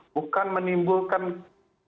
bukan menimbulkan berbahaya